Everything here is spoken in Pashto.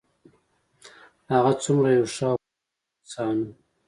هغه څومره یو ښه او په زړه پورې انسان و